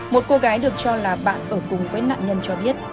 một cô gái được cho là bạn ở cùng với nạn nhân cho biết